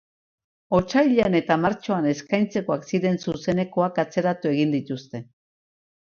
Otsailean eta martxoan eskaintzekoak ziren zuzenekoak atzeratu egin dituzte.